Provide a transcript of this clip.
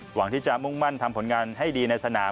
หวังที่จะมุ่งมั่นทำผลงานให้ดีในสนาม